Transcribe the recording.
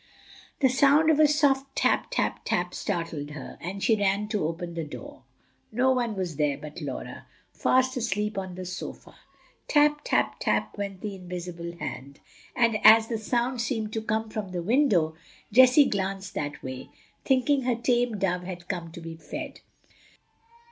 The sound of a soft tap, tap, tap, startled her, and she ran to open the door. No one was there but Laura, fast asleep on the sofa. Tap, tap, tap! went the invisible hand; and as the sound seemed to come from the window, Jessie glanced that way, thinking her tame dove had come to be fed.